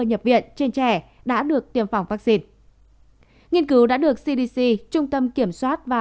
nhập viện trên trẻ đã được tiêm phòng vaccine nghiên cứu đã được cdc trung tâm kiểm soát và